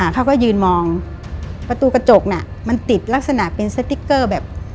เขาก็ยืนมองประตูกระจกน่ะมันติดลักษณะเป็นสติ๊กเกอร์แบบ